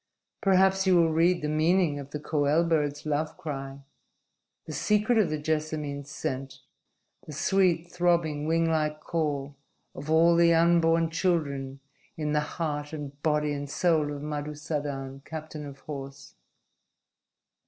Perhaps you will read the meaning of the koel bird's love cry, the secret of the jessamine's scent, the sweet, throbbing, winglike call of all the unborn children in the heart and body and soul of Madusadan, captain of horse."